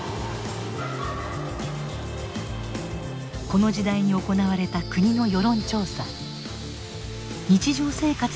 この時代に行われた国の世論調査。